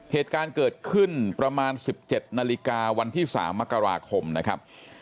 เหตุการณ์เกิดขึ้นประมาณ๑๗นาฬิกาวันที่๓มกราคมนะครับ